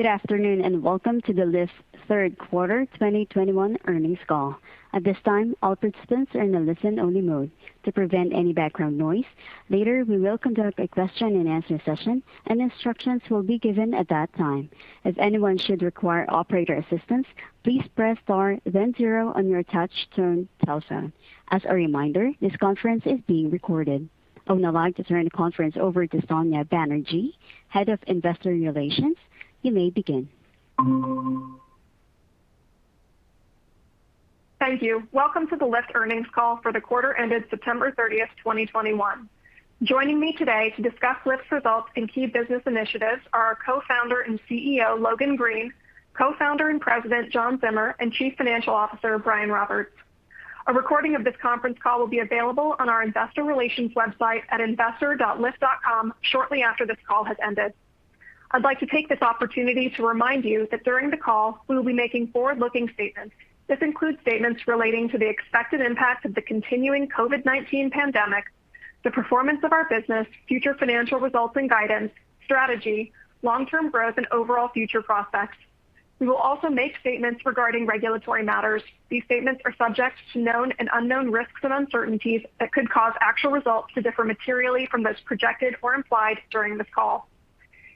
Good afternoon, and welcome to the Lyft Third Quarter 2021 Earnings Call. At this time, all participants are in a listen-only mode to prevent any background noise. Later, we will conduct a question-and-answer session, and instructions will be given at that time. If anyone should require operator assistance, please press star then zero on your touchtone telephone. As a reminder, this conference is being recorded. I would now like to turn the conference over to Sonya Banerjee, Head of Investor Relations. You may begin. Thank you. Welcome to the Lyft earnings call for the quarter ended September 30th, 2021. Joining me today to discuss Lyft's results and key business initiatives are our Co-Founder and CEO, Logan Green, Co-Founder and President, John Zimmer, and Chief Financial Officer, Brian Roberts. A recording of this conference call will be available on our Investor Relations website at investor.lyft.com shortly after this call has ended. I'd like to take this opportunity to remind you that during the call, we will be making forward-looking statements. This includes statements relating to the expected impact of the continuing COVID-19 pandemic, the performance of our business, future financial results and guidance, strategy, long-term growth, and overall future prospects. We will also make statements regarding regulatory matters. These statements are subject to known and unknown risks and uncertainties that could cause actual results to differ materially from those projected or implied during this call.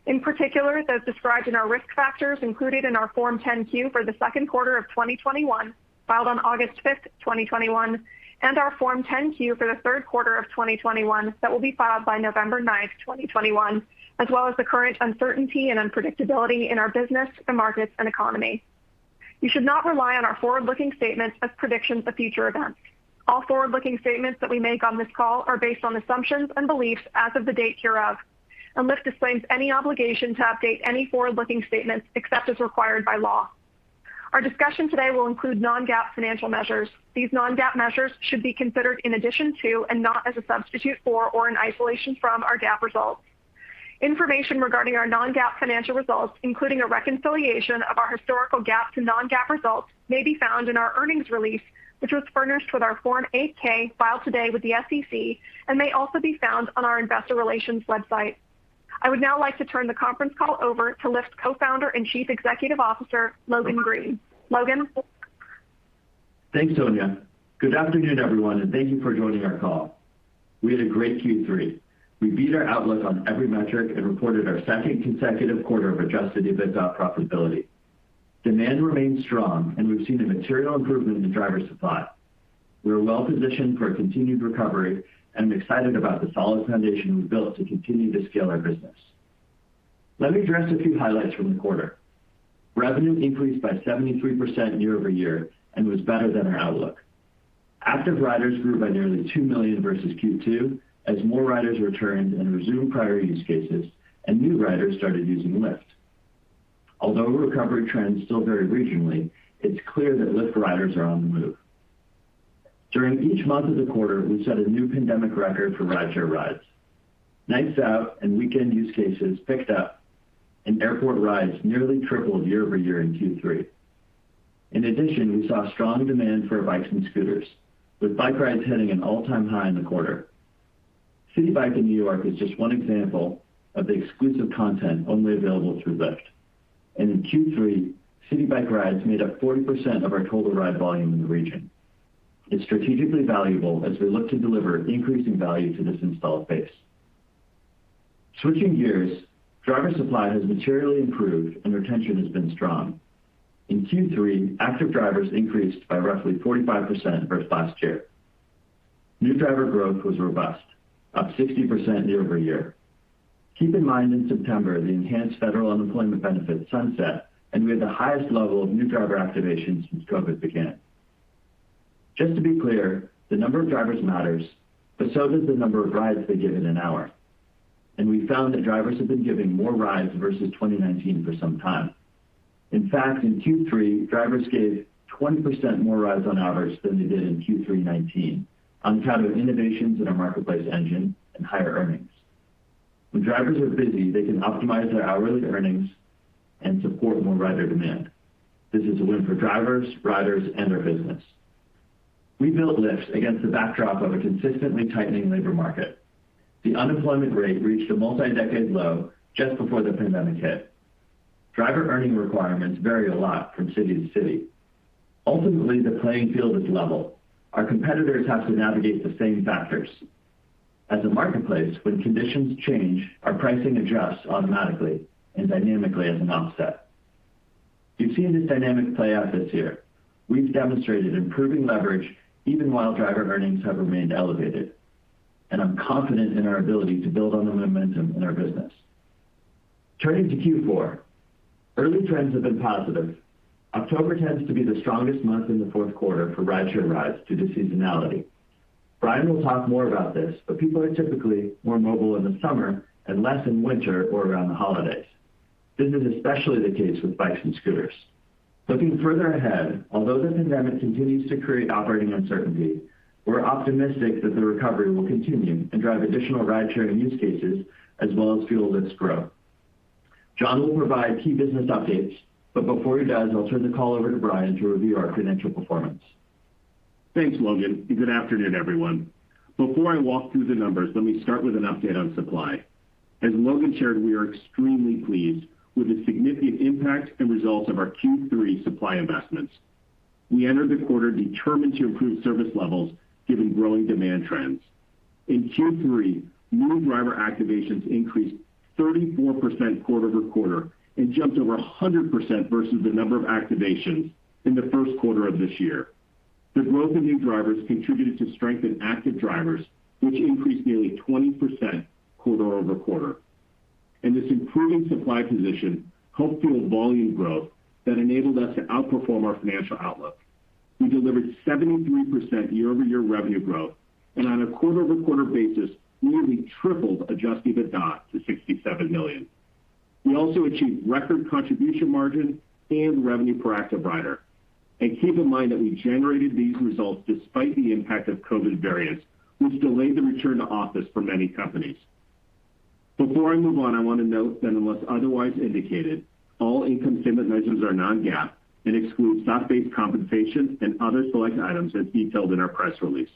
In particular, those described in our risk factors included in our Form 10-Q for the second quarter of 2021, filed on August 5th, 2021, and our Form 10-Q for the third quarter of 2021 that will be filed by November 9th, 2021, as well as the current uncertainty and unpredictability in our business and markets and economy. You should not rely on our forward-looking statements as predictions of future events. All forward-looking statements that we make on this call are based on assumptions and beliefs as of the date hereof, and Lyft disclaims any obligation to update any forward-looking statements except as required by law. Our discussion today will include non-GAAP financial measures. These non-GAAP measures should be considered in addition to and not as a substitute for or in isolation from our GAAP results. Information regarding our non-GAAP financial results, including a reconciliation of our historical GAAP to non-GAAP results, may be found in our earnings release, which was furnished with our Form 8-K filed today with the SEC and may also be found on our Investor Relations website. I would now like to turn the conference call over to Lyft Co-Founder and Chief Executive Officer, Logan Green. Logan? Thanks, Sonya. Good afternoon, everyone, and thank you for joining our call. We had a great Q3. We beat our outlook on every metric and reported our second consecutive quarter of adjusted EBITDA profitability. Demand remains strong, and we've seen a material improvement in driver supply. We are well-positioned for a continued recovery and excited about the solid foundation we've built to continue to scale our business. Let me address a few highlights from the quarter. Revenue increased by 73% year-over-year and was better than our outlook. Active riders grew by nearly 2 million versus Q2 as more riders returned and resumed prior use cases and new riders started using Lyft. Although recovery trends still vary regionally, it's clear that Lyft riders are on the move. During each month of the quarter, we set a new pandemic record for rideshare rides. Nights out and weekend use cases picked up, and airport rides nearly tripled year-over-year in Q3. In addition, we saw strong demand for bikes and scooters, with bike rides hitting an all-time high in the quarter. Citi Bike in New York is just one example of the exclusive content only available through Lyft. In Q3, Citi Bike rides made up 40% of our total ride volume in the region. It's strategically valuable as we look to deliver increasing value to this installed base. Switching gears, driver supply has materially improved and retention has been strong. In Q3, active drivers increased by roughly 45% versus last year. New driver growth was robust, up 60% year-over-year. Keep in mind, in September, the enhanced federal unemployment benefits sunset, and we had the highest level of new driver activation since COVID began. Just to be clear, the number of drivers matters, but so does the number of rides they give in an hour. We found that drivers have been giving more rides versus 2019 for some time. In fact, in Q3, drivers gave 20% more rides on average than they did in Q3 2019 on top of innovations in our marketplace engine and higher earnings. When drivers are busy, they can optimize their hourly earnings and support more rider demand. This is a win for drivers, riders, and our business. We built Lyft against the backdrop of a consistently tightening labor market. The unemployment rate reached a multi-decade low just before the pandemic hit. Driver earning requirements vary a lot from city to city. Ultimately, the playing field is level. Our competitors have to navigate the same factors. As a marketplace, when conditions change, our pricing adjusts automatically and dynamically as an offset. You've seen this dynamic play out this year. We've demonstrated improving leverage even while driver earnings have remained elevated, and I'm confident in our ability to build on the momentum in our business. Turning to Q4, early trends have been positive. October tends to be the strongest month in the fourth quarter for rideshare rides due to seasonality. Brian will talk more about this, but people are typically more mobile in the summer and less in winter or around the holidays. This is especially the case with bikes and scooters. Looking further ahead, although the pandemic continues to create operating uncertainty, we're optimistic that the recovery will continue and drive additional ridesharing use cases as well as fuel Lyft's growth. John will provide key business updates, but before he does, I'll turn the call over to Brian to review our financial performance. Thanks, Logan, and good afternoon, everyone. Before I walk through the numbers, let me start with an update on supply. As Logan shared, we are extremely pleased with the significant impact and results of our Q3 supply investments. We entered the quarter determined to improve service levels given growing demand trends. In Q3, new driver activations increased 34% quarter-over-quarter and jumped over 100% versus the number of activations in the first quarter of this year. The growth in new drivers contributed to strengthen active drivers, which increased nearly 20% quarter-over-quarter. This improving supply position helped fuel volume growth that enabled us to outperform our financial outlook. We delivered 73% year-over-year revenue growth and on a quarter-over-quarter basis, nearly tripled adjusted EBITDA to $67 million. We also achieved record contribution margin and revenue per active rider. Keep in mind that we generated these results despite the impact of COVID variants, which delayed the return to office for many companies. Before I move on, I want to note that unless otherwise indicated, all income statement measures are non-GAAP and exclude stock-based compensation and other select items as detailed in our press release.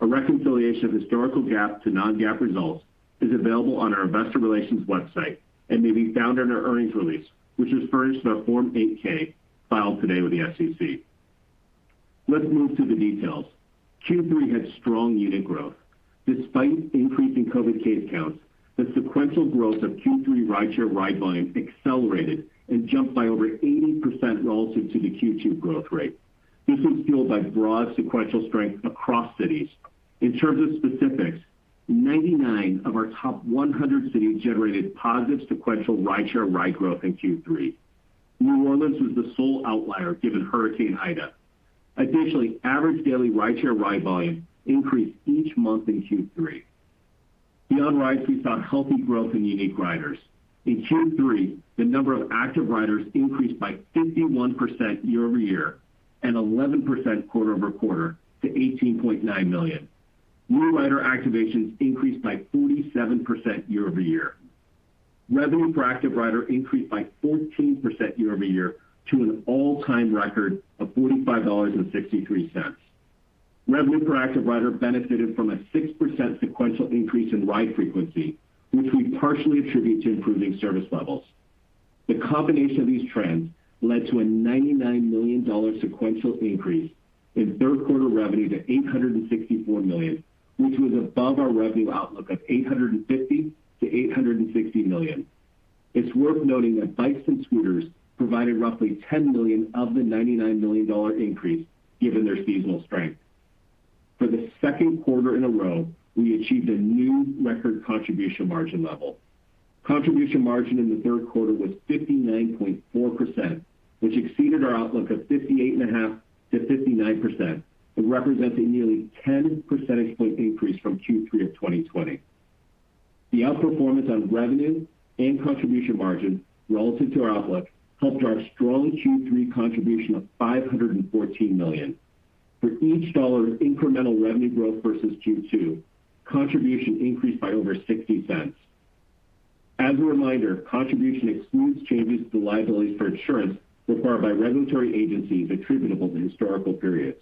A reconciliation of historical GAAP to non-GAAP results is available on our investor relations website and may be found in our earnings release, which is furnished in our Form 8-K filed today with the SEC. Let's move to the details. Q3 had strong unit growth. Despite increasing COVID case counts, the sequential growth of Q3 rideshare ride volume accelerated and jumped by over 80% relative to the Q2 growth rate. This was fueled by broad sequential strength across cities. In terms of specifics, 99 of our top 100 cities generated positive sequential rideshare ride growth in Q3. New Orleans was the sole outlier given Hurricane Ida. Additionally, average daily rideshare ride volume increased each month in Q3. Beyond rides, we saw healthy growth in unique riders. In Q3, the number of active riders increased by 51% year-over-year, and 11% quarter-over-quarter to 18.9 million. New rider activations increased by 47% year-over-year. Revenue per active rider increased by 14% year-over-year to an all-time record of $45.63. Revenue per active rider benefited from a 6% sequential increase in ride frequency, which we partially attribute to improving service levels. The combination of these trends led to a $99 million sequential increase in third quarter revenue to $864 million, which was above our revenue outlook of $850 million-$860 million. It's worth noting that bikes and scooters provided roughly $10 million of the $99 million increase given their seasonal strength. For the second quarter in a row, we achieved a new record contribution margin level. Contribution margin in the third quarter was 59.4%, which exceeded our outlook of 58.5%-59% and represents a nearly 10 percentage point increase from Q3 of 2020. The outperformance on revenue and contribution margin relative to our outlook helped drive strong Q3 contribution of $514 million. For each dollar of incremental revenue growth versus Q2, contribution increased by over $0.60. As a reminder, contribution excludes changes to liabilities for insurance required by regulatory agencies attributable to historical periods.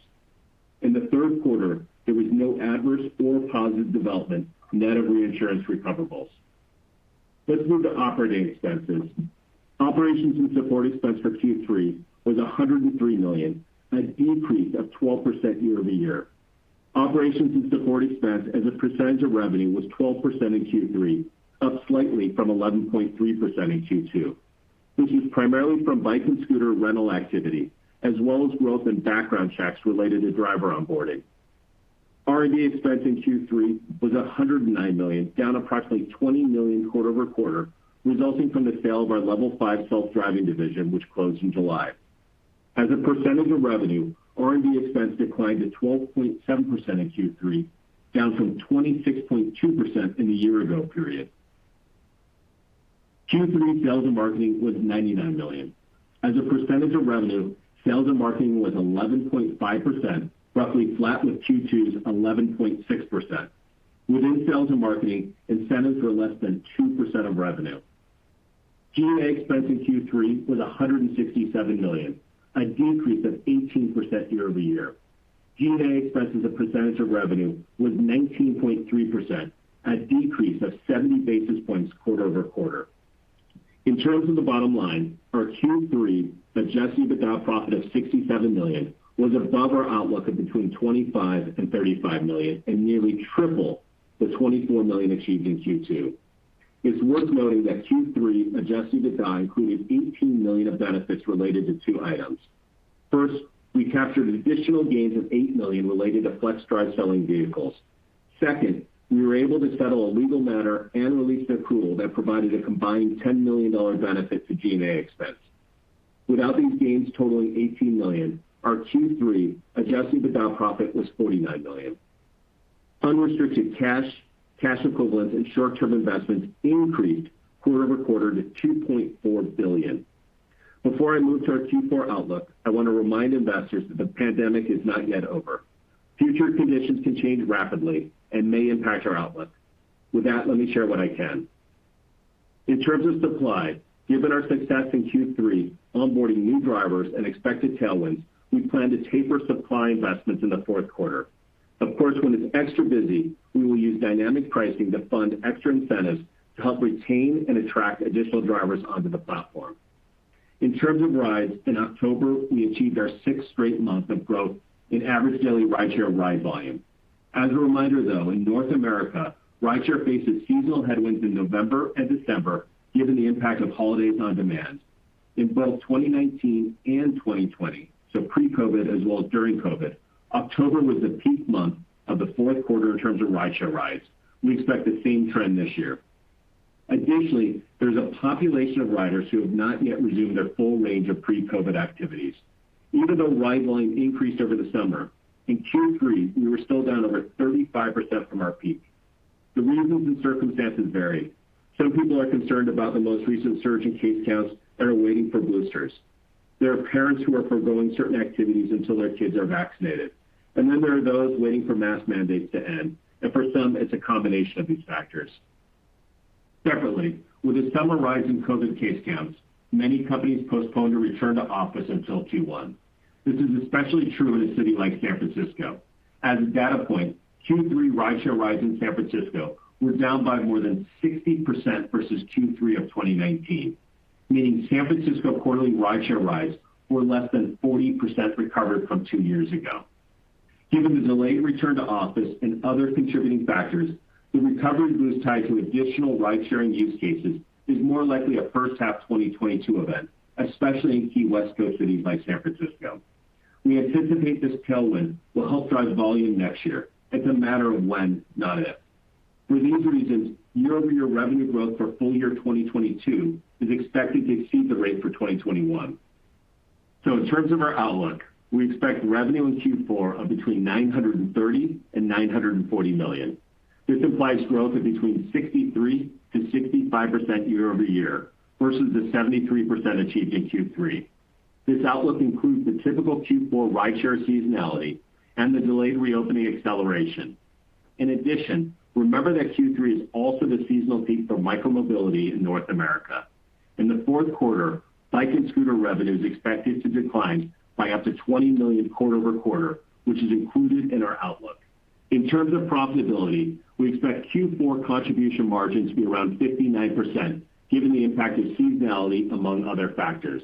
In the third quarter, there was no adverse or positive development net of reinsurance recoverables. Let's move to operating expenses. Operations and support expense for Q3 was $103 million, an increase of 12% year-over-year. Operations and support expense as a percentage of revenue was 12% in Q3, up slightly from 11.3% in Q2. This is primarily from bike and scooter rental activity, as well as growth in background checks related to driver onboarding. R&D expense in Q3 was $109 million, down approximately $20 million quarter-over-quarter, resulting from the sale of our Level 5 self-driving division, which closed in July. As a percentage of revenue, R&D expense declined to 12.7% in Q3, down from 26.2% in the year-ago period. Q3 sales and marketing was $99 million. As a percentage of revenue, sales and marketing was 11.5%, roughly flat with Q2's 11.6%. Within sales and marketing, incentives were less than 2% of revenue. G&A expense in Q3 was $167 million, a decrease of 18% year-over-year. G&A expense as a percentage of revenue was 19.3%, a decrease of 70 basis points quarter-over-quarter. In terms of the bottom line, our Q3 adjusted EBITDA profit of $67 million was above our outlook of between $25 million and $35 million and nearly triple the $24 million achieved in Q2. It's worth noting that Q3 adjusted EBITDA included $18 million of benefits related to two items. First, we captured additional gains of $8 million related to Flexdrive selling vehicles. Second, we were able to settle a legal matter and release an accrual that provided a combined $10 million benefit to G&A expense. Without these gains totaling $18 million, our Q3 adjusted EBITDA profit was $49 million. Unrestricted cash, cash equivalents and short-term investments increased quarter-over-quarter to $2.4 billion. Before I move to our Q4 outlook, I want to remind investors that the pandemic is not yet over. Future conditions can change rapidly and may impact our outlook. With that, let me share what I can. In terms of supply, given our success in Q3, onboarding new drivers and expected tailwinds, we plan to taper supply investments in the fourth quarter. Of course, when it's extra busy, we will use dynamic pricing to fund extra incentives to help retain and attract additional drivers onto the platform. In terms of rides, in October, we achieved our sixth straight month of growth in average daily rideshare ride volume. As a reminder, though, in North America, rideshare faces seasonal headwinds in November and December, given the impact of holidays on demand. In both 2019 and 2020, so pre-COVID as well as during COVID, October was the peak month of the fourth quarter in terms of rideshare rides. We expect the same trend this year. Additionally, there's a population of riders who have not yet resumed their full range of pre-COVID activities. Even though ride volume increased over the summer, in Q3, we were still down over 35% from our peak. The reasons and circumstances vary. Some people are concerned about the most recent surge in case counts and are waiting for boosters. There are parents who are foregoing certain activities until their kids are vaccinated, and then there are those waiting for mask mandates to end. For some, it's a combination of these factors. Separately, with the summer rise in COVID case counts, many companies postponed a return to office until Q1. This is especially true in a city like San Francisco. As a data point, Q3 rideshare rides in San Francisco were down by more than 60% versus Q3 of 2019, meaning San Francisco quarterly rideshare rides were less than 40% recovered from two years ago. Given the delayed return to office and other contributing factors, the recovery boost tied to additional ridesharing use cases is more likely a first half 2022 event, especially in key West Coast cities like San Francisco. We anticipate this tailwind will help drive volume next year. It's a matter of when, not if. For these reasons, year-over-year revenue growth for full year 2022 is expected to exceed the rate for 2021. In terms of our outlook, we expect revenue in Q4 of between $930 million and $940 million. This implies growth of between 63%-65% year-over-year versus the 73% achieved in Q3. This outlook includes the typical Q4 rideshare seasonality and the delayed reopening acceleration. In addition, remember that Q3 is also the seasonal peak for micromobility in North America. In the fourth quarter, bike and scooter revenue is expected to decline by up to $20 million quarter-over-quarter, which is included in our outlook. In terms of profitability, we expect Q4 contribution margin to be around 59%, given the impact of seasonality, among other factors.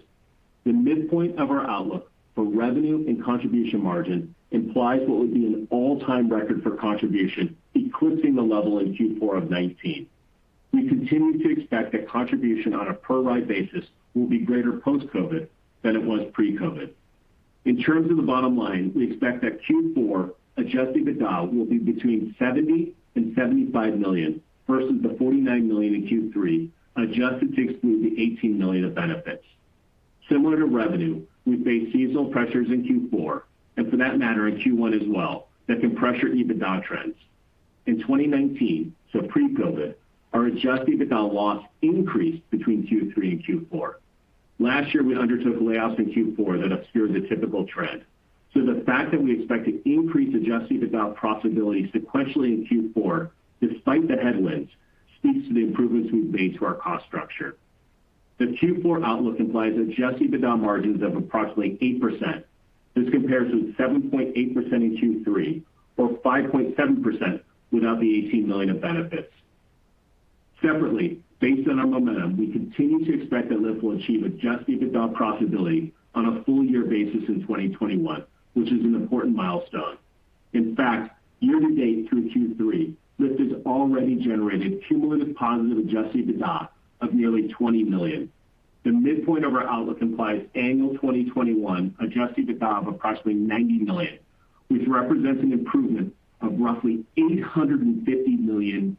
The midpoint of our outlook for revenue and contribution margin implies what would be an all-time record for contribution, eclipsing the level in Q4 of 2019. We continue to expect that contribution on a per-ride basis will be greater post-COVID than it was pre-COVID. In terms of the bottom line, we expect that Q4 adjusted EBITDA will be between $70 million and $75 million versus the $49 million in Q3, adjusted to exclude the $18 million of benefits. Similar to revenue, we face seasonal pressures in Q4, and for that matter in Q1 as well, that can pressure EBITDA trends. In 2019, so pre-COVID, our adjusted EBITDA loss increased between Q3 and Q4. Last year, we undertook layoffs in Q4 that obscured the typical trend. The fact that we expect to increase adjusted EBITDA profitability sequentially in Q4 despite the headwinds speaks to the improvements we've made to our cost structure. The Q4 outlook implies adjusted EBITDA margins of approximately 8%. This compares with 7.8% in Q3 or 5.7% without the $18 million of benefits. Separately, based on our momentum, we continue to expect that Lyft will achieve adjusted EBITDA profitability on a full-year basis in 2021, which is an important milestone. In fact, year-to-date through Q3, Lyft has already generated cumulative positive adjusted EBITDA of nearly $20 million. The midpoint of our outlook implies annual 2021 adjusted EBITDA of approximately $90 million, which represents an improvement of roughly $850 million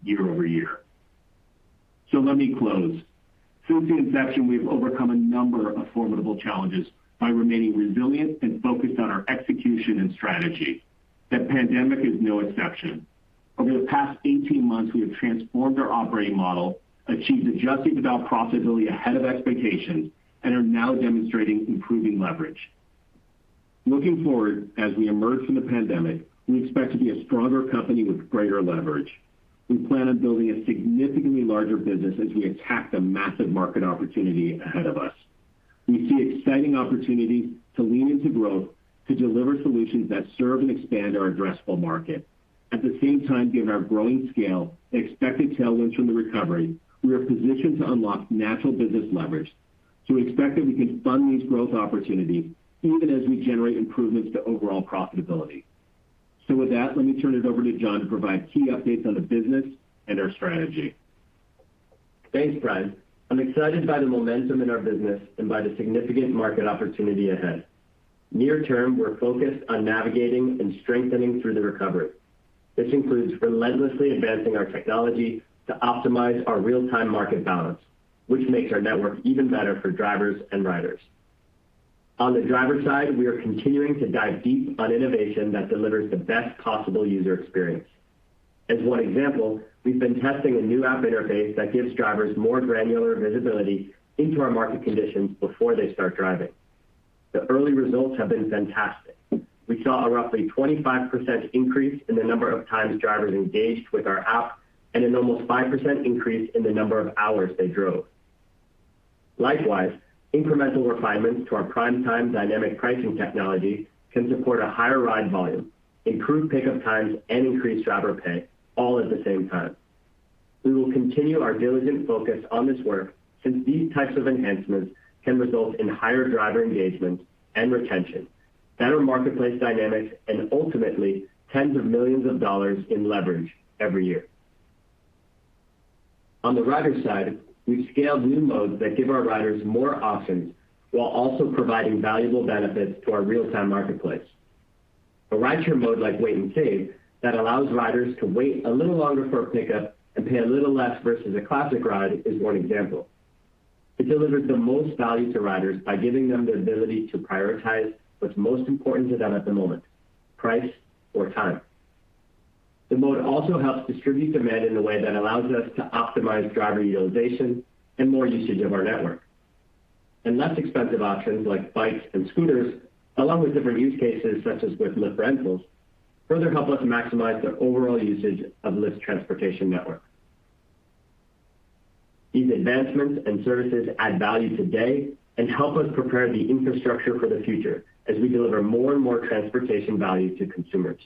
year-over-year. Let me close. Since the inception, we've overcome a number of formidable challenges by remaining resilient and focused on our execution and strategy. The pandemic is no exception. Over the past 18 months, we have transformed our operating model, achieved adjusted EBITDA profitability ahead of expectations, and are now demonstrating improving leverage. Looking forward, as we emerge from the pandemic, we expect to be a stronger company with greater leverage. We plan on building a significantly larger business as we attack the massive market opportunity ahead of us. We see exciting opportunities to lean into growth to deliver solutions that serve and expand our addressable market. At the same time, given our growing scale and expected tailwinds from the recovery, we are positioned to unlock natural business leverage. We expect that we can fund these growth opportunities even as we generate improvements to overall profitability. With that, let me turn it over to John to provide key updates on the business and our strategy. Thanks, Brian. I'm excited by the momentum in our business and by the significant market opportunity ahead. Near term, we're focused on navigating and strengthening through the recovery. This includes relentlessly advancing our technology to optimize our real-time market balance, which makes our network even better for drivers and riders. On the driver side, we are continuing to dive deep on innovation that delivers the best possible user experience. As one example, we've been testing a new app interface that gives drivers more granular visibility into our market conditions before they start driving. The early results have been fantastic. We saw a roughly 25% increase in the number of times drivers engaged with our app and an almost 5% increase in the number of hours they drove. Likewise, incremental refinements to our Prime Time dynamic pricing technology can support a higher ride volume, improve pickup times and increase driver pay all at the same time. We will continue our diligent focus on this work since these types of enhancements can result in higher driver engagement and retention, better marketplace dynamics, and ultimately tens of millions of dollars in leverage every year. On the rider side, we've scaled new modes that give our riders more options while also providing valuable benefits to our real-time marketplace. A rideshare mode like Wait & Save that allows riders to wait a little longer for a pickup and pay a little less versus a classic ride is one example. It delivers the most value to riders by giving them the ability to prioritize what's most important to them at the moment, price or time. The mode also helps distribute demand in a way that allows us to optimize driver utilization and more usage of our network. Less expensive options like bikes and scooters, along with different use cases such as with Lyft Rentals, further help us to maximize the overall usage of Lyft's transportation network. These advancements and services add value today and help us prepare the infrastructure for the future as we deliver more and more transportation value to consumers.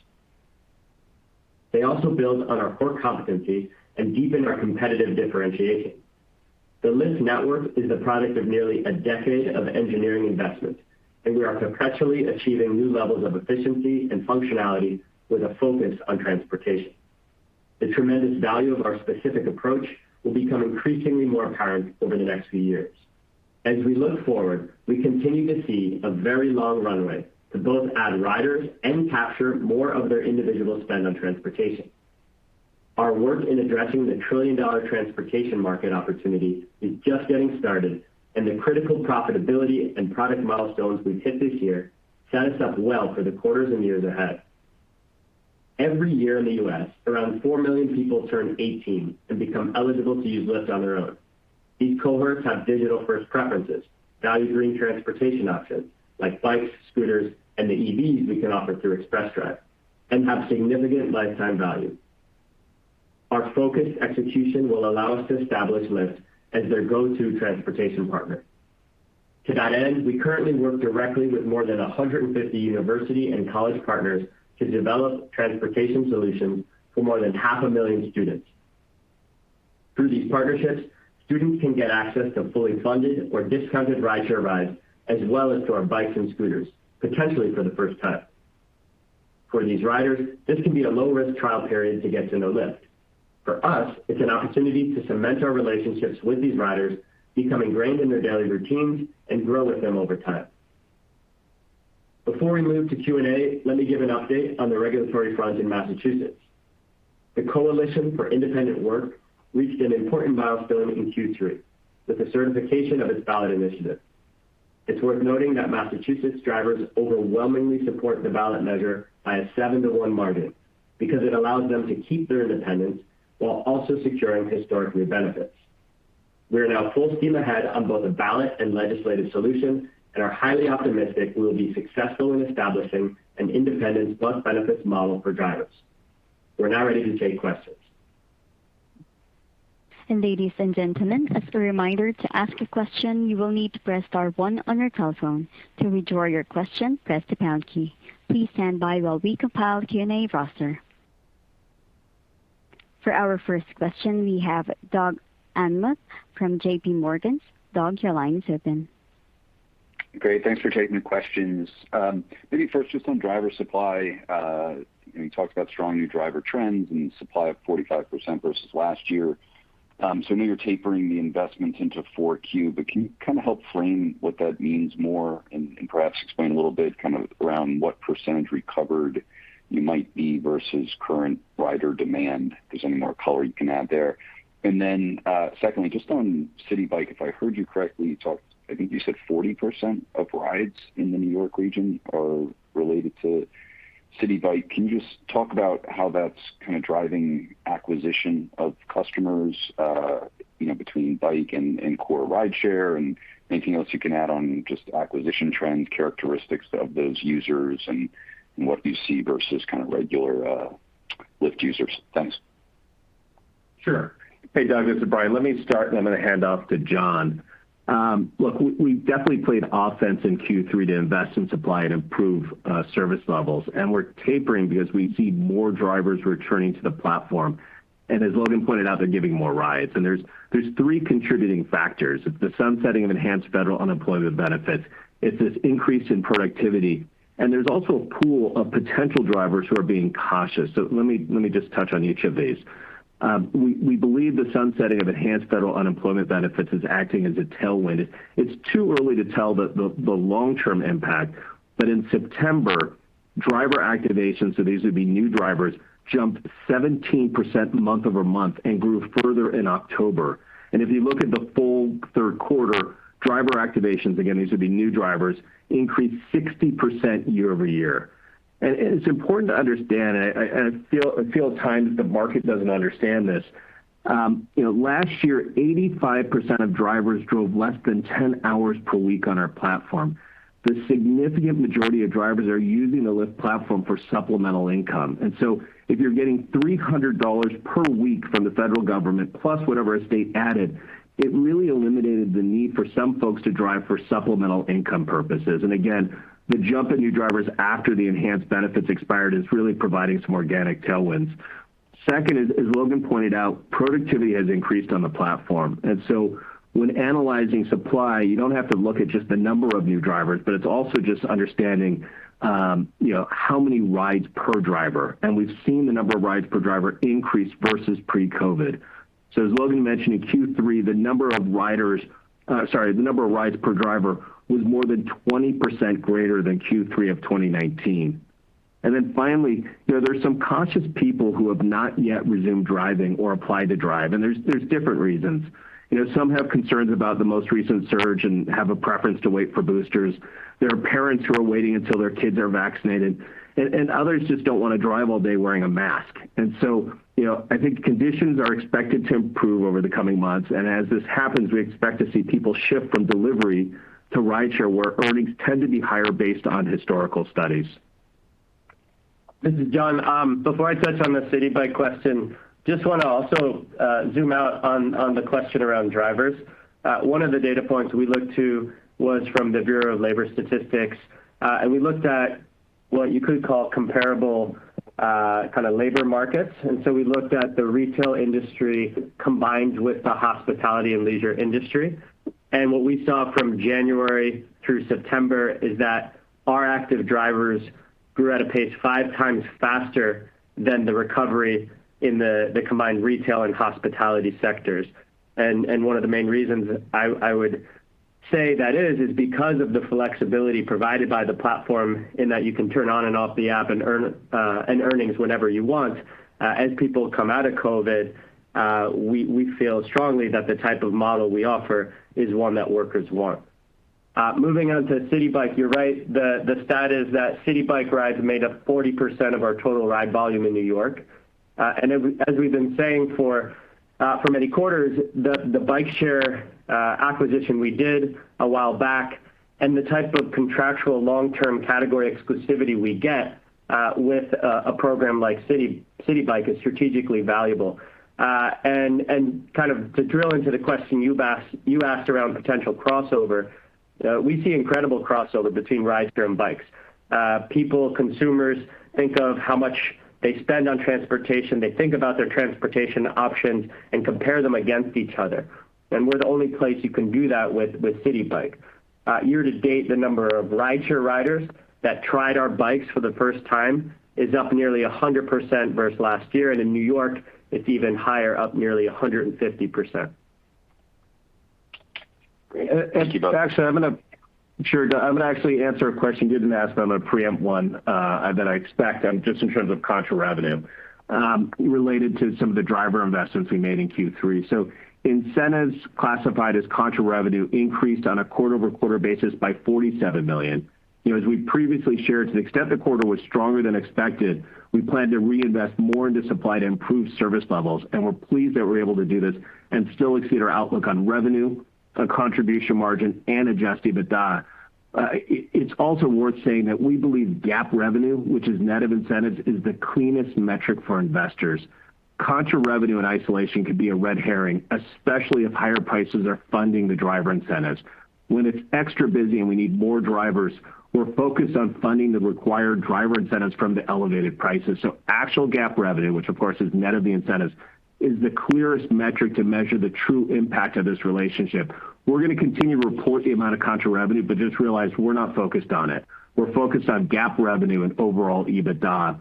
They also build on our core competencies and deepen our competitive differentiation. The Lyft network is the product of nearly a decade of engineering investment, and we are perpetually achieving new levels of efficiency and functionality with a focus on transportation. The tremendous value of our specific approach will become increasingly more apparent over the next few years. As we look forward, we continue to see a very long runway to both add riders and capture more of their individual spend on transportation. Our work in addressing the trillion-dollar transportation market opportunity is just getting started, and the critical profitability and product milestones we've hit this year set us up well for the quarters and years ahead. Every year in the U.S., around 4 million people turn 18 and become eligible to use Lyft on their own. These cohorts have digital-first preferences, value green transportation options like bikes, scooters, and the EVs we can offer through Express Drive and have significant lifetime value. Our focused execution will allow us to establish Lyft as their go-to transportation partner. To that end, we currently work directly with more than 150 university and college partners to develop transportation solutions for more than 500,000 students. Through these partnerships, students can get access to fully funded or discounted rideshare rides, as well as to our bikes and scooters, potentially for the first time. For these riders, this can be a low-risk trial period to get to know Lyft. For us, it's an opportunity to cement our relationships with these riders, become ingrained in their daily routines, and grow with them over time. Before we move to Q&A, let me give an update on the regulatory front in Massachusetts. The Coalition for Independent Work reached an important milestone in Q3 with the certification of its ballot initiative. It's worth noting that Massachusetts drivers overwhelmingly support the ballot measure by a 7-to-1 margin because it allows them to keep their independence while also securing historic benefits. We are now full steam ahead on both a ballot and legislative solution and are highly optimistic we will be successful in establishing an independence plus benefits model for drivers. We're now ready to take questions. Ladies and gentlemen, as a reminder to ask a question, you will need to press star one on your telephone. To withdraw your question, press the pound key. Please stand by while we compile Q&A roster. For our first question, we have Doug Anmuth from JPMorgan. Doug, your line is open. Great. Thanks for taking the questions. Maybe first, just on driver supply, you talked about strong new driver trends and supply of 45% versus last year. So I know you're tapering the investment into Q4, but can you kind of help frame what that means more and perhaps explain a little bit kind of around what percentage recovered you might be versus current rider demand? If there's any more color you can add there. Then, secondly, just on Citi Bike, if I heard you correctly, you talked. I think you said 40% of rides in the New York region are related to Citi Bike. Can you just talk about how that's kind of driving acquisition of customers, you know, between bike and core rideshare and anything else you can add on just acquisition trends, characteristics of those users and what you see versus kind of regular Lyft users? Thanks. Sure. Hey, Doug, this is Brian. Let me start, and I'm going to hand off to John. Look, we definitely played offense in Q3 to invest in supply and improve service levels, and we're tapering because we see more drivers returning to the platform. As Logan pointed out, they're giving more rides. There's three contributing factors. It's the sunsetting of enhanced federal unemployment benefits. It's this increase in productivity. There's also a pool of potential drivers who are being cautious. Let me just touch on each of these. We believe the sunsetting of enhanced federal unemployment benefits is acting as a tailwind. It's too early to tell the long-term impact. But in September, driver activations, so these would be new drivers, jumped 17% month-over-month and grew further in October. If you look at the full third quarter, driver activations, again, these would be new drivers, increased 60% year-over-year. It's important to understand. I feel at times the market doesn't understand this. You know, last year, 85% of drivers drove less than 10 hours per week on our platform. The significant majority of drivers are using the Lyft platform for supplemental income. If you're getting $300 per week from the federal government plus whatever a state added, it really eliminated the need for some folks to drive for supplemental income purposes. Again, the jump in new drivers after the enhanced benefits expired is really providing some organic tailwinds. Second, Logan pointed out, productivity has increased on the platform. When analyzing supply, you don't have to look at just the number of new drivers, but it's also just understanding, you know, how many rides per driver. We've seen the number of rides per driver increase versus pre-COVID. As Logan mentioned, in Q3, the number of rides per driver was more than 20% greater than Q3 of 2019. Then finally, you know, there's some conscious people who have not yet resumed driving or applied to drive, and there's different reasons. You know, some have concerns about the most recent surge and have a preference to wait for boosters. There are parents who are waiting until their kids are vaccinated, and others just don't want to drive all day wearing a mask. You know, I think conditions are expected to improve over the coming months, and as this happens, we expect to see people shift from delivery to rideshare, where earnings tend to be higher based on historical studies. This is John. Before I touch on the Citi Bike question, just wanna also zoom out on the question around drivers. One of the data points we looked to was from the Bureau of Labor Statistics, and we looked at what you could call comparable kind of labor markets. We looked at the retail industry combined with the hospitality and leisure industry. What we saw from January through September is that our active drivers grew at a pace 5x faster than the recovery in the combined retail and hospitality sectors. One of the main reasons I would say that is because of the flexibility provided by the platform in that you can turn on and off the app and earn and earnings whenever you want. As people come out of COVID, we feel strongly that the type of model we offer is one that workers want. Moving on to Citi Bike, you're right. The stat is that Citi Bike rides made up 40% of our total ride volume in New York. As we've been saying for many quarters, the bike share acquisition we did a while back and the type of contractual long-term category exclusivity we get with a program like Citi Bike is strategically valuable. Kind of to drill into the question you've asked, you asked around potential crossover, we see incredible crossover between rideshare and bikes. People, consumers think of how much they spend on transportation. They think about their transportation options and compare them against each other. We're the only place you can do that with Citi Bike. Year to date, the number of rideshare riders that tried our bikes for the first time is up nearly 100% versus last year. In New York, it's even higher, up nearly 150%. Actually, I'm going to answer a question you didn't ask, but I'm going to preempt one that I expect, just in terms of contra revenue, related to some of the driver investments we made in Q3. Incentives classified as contra revenue increased on a quarter-over-quarter basis by $47 million. You know, as we previously shared, to the extent the quarter was stronger than expected, we plan to reinvest more into supply to improve service levels, and we're pleased that we're able to do this and still exceed our outlook on revenue, contribution margin and adjusted EBITDA. It's also worth saying that we believe GAAP revenue, which is net of incentives, is the cleanest metric for investors. Contra revenue in isolation could be a red herring, especially if higher prices are funding the driver incentives. When it's extra busy and we need more drivers, we're focused on funding the required driver incentives from the elevated prices. Actual GAAP revenue, which of course is net of the incentives, is the clearest metric to measure the true impact of this relationship. We're gonna continue to report the amount of contra revenue, but just realize we're not focused on it. We're focused on GAAP revenue and overall EBITDA.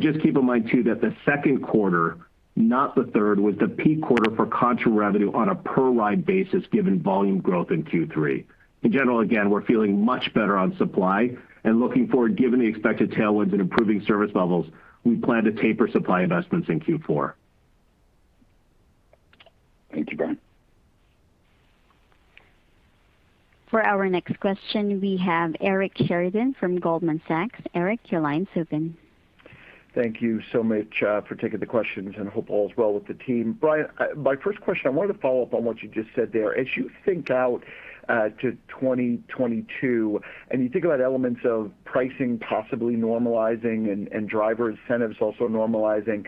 Just keep in mind too that the second quarter, not the third, was the peak quarter for contra revenue on a per-ride basis given volume growth in Q3. In general, again, we're feeling much better on supply and looking forward, given the expected tailwinds and improving service levels, we plan to taper supply investments in Q4. Thank you, Brian. For our next question, we have Eric Sheridan from Goldman Sachs. Eric, your line's open. Thank you so much for taking the questions and I hope all is well with the team. Brian, my first question, I wanted to follow up on what you just said there. As you think out to 2022, and you think about elements of pricing possibly normalizing and driver incentives also normalizing,